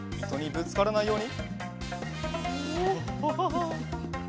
ぶつからないように。